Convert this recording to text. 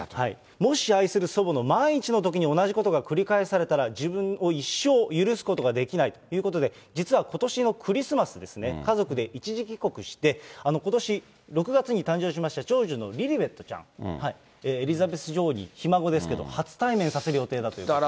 もし愛する祖母の万一のときに、同じことが繰り返されたら、自分を一生許すことができないということで、実はことしのクリスマスですね、家族で一時帰国して、ことし６月に誕生しました長女のリリベットちゃん、エリザベス女王に、ひ孫ですけど、初対面させる予定だということです。